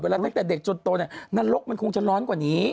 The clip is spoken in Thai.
ตั้งแต่เด็กจนโตเนี่ยนรกมันคงจะร้อนกว่านี้